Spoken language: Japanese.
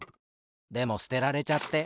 でもすてられちゃって。